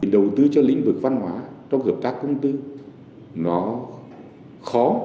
đầu tư cho lĩnh vực văn hóa trong hợp tác công tư nó khó